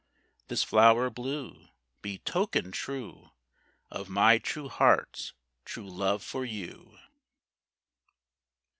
This flower blue Be token true Of my true heart's true love for you!"